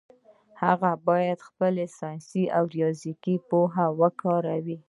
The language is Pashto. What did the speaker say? هغه باید خپله ساینسي او ریاضیکي پوهه وکاروي.